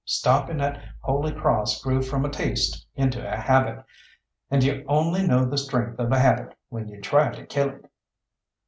Stopping at Holy Cross grew from a taste into a habit, and you only know the strength of a habit when you try to kill it.